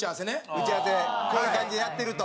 打ち合わせこういう感じでやってると。